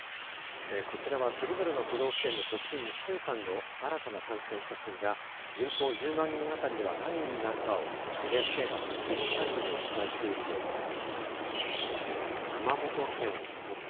こちらはそれぞれの都道府県の直近１週間の新たな感染者数が人口１０万人当たりでは何人になるかをＮＨＫが特設サイトでお伝えしているデータです。